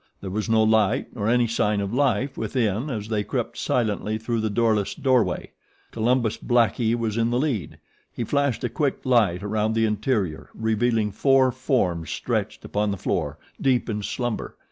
There was no light nor any sign of life within as they crept silently through the doorless doorway. Columbus Blackie was in the lead. He flashed a quick light around the interior revealing four forms stretched upon the floor, deep in slumber.